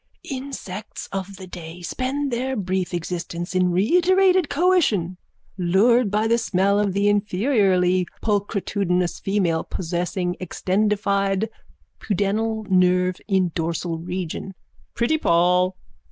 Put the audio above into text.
_ Insects of the day spend their brief existence in reiterated coition, lured by the smell of the inferiorly pulchritudinous female possessing extendified pudendal nerve in dorsal region. Pretty Poll!